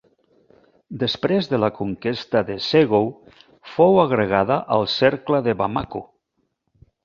Després de la conquesta de Ségou fou agregada al cercle de Bamako.